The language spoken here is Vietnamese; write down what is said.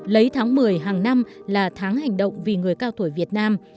lấy tháng một mươi hàng năm là tháng hành động vì người cao tuổi việt nam